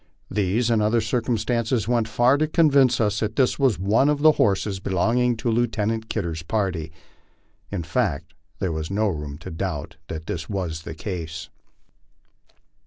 These and other circumstances went far to convince us that this was one of the horses belonging to Lieutenant Kidder's party. In fact there was no room to doubt that this was the case.